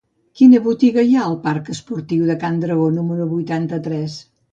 Quina botiga hi ha al parc Esportiu de Can Dragó número vuitanta-tres?